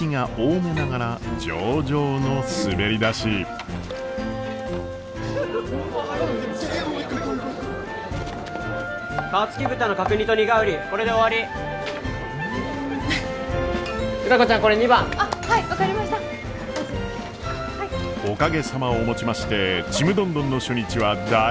おかげさまをもちましてちむどんどんの初日は大盛況で一安心。